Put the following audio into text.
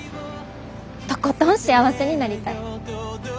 とことん幸せになりたい。